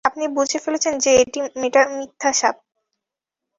আপনি বুঝে ফেলেছেন যে এটা মিথ্যা সাপ।